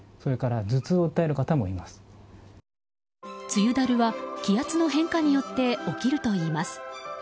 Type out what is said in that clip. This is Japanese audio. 梅雨だるは気圧の変化によって起きるといいます。